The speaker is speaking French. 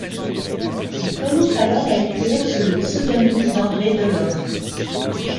Il commence alors à écrire sous le pseudonyme d'André Delor.